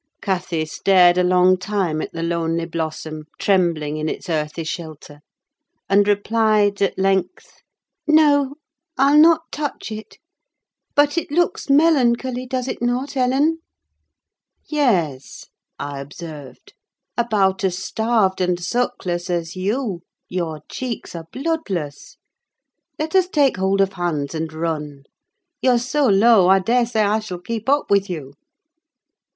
Cathy stared a long time at the lonely blossom trembling in its earthy shelter, and replied, at length—"No, I'll not touch it: but it looks melancholy, does it not, Ellen?" "Yes," I observed, "about as starved and sackless as you: your cheeks are bloodless; let us take hold of hands and run. You're so low, I daresay I shall keep up with you."